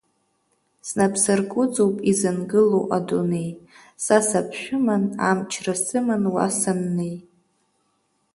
Снапсыргәыҵоуп изынгылоу Адунеи, са саԥшәыман, амчра сыман уа саннеи.